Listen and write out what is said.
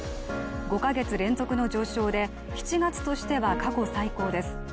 ５か月連続の上昇で７月としては過去最高です。